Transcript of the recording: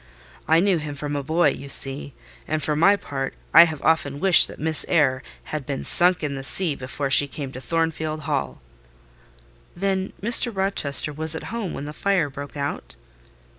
I knew him from a boy, you see: and for my part, I have often wished that Miss Eyre had been sunk in the sea before she came to Thornfield Hall." "Then Mr. Rochester was at home when the fire broke out?"